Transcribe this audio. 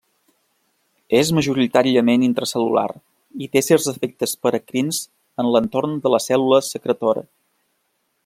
És majoritàriament intracel·lular i té certs efectes paracrins en l'entorn de la cèl·lula secretora.